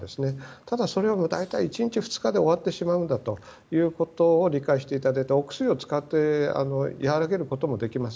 ただそれは大体１日、２日で終わってしまうということを理解していただいてお薬を使って和らげることもできます。